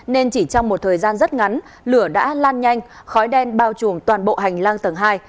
nên chỉ trong một thời gian rất ngắn lửa đã lan nhanh khói đen bao trùm toàn bộ hành lang tầng hai